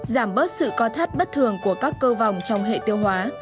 giảm bớt sự co thát bất thường của các cơ vòng trong hệ tiêu hóa